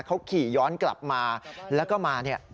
เขาขี่ย้อนกลับมาแล้วก็มาเนี่ย